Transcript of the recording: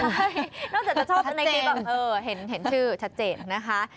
ใช่นอกจากจะชอบชัดเจนเห็นชื่อชัดเจนนะคะ